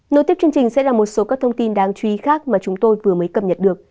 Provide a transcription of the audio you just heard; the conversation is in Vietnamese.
nội tiếp chương trình sẽ là một số các thông tin đáng chú ý khác mà chúng tôi vừa mới cập nhật được